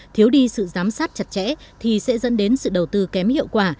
thiếu đi sự giám sát chặt chẽ thì sẽ dẫn đến sự đầu tư kém hiệu quả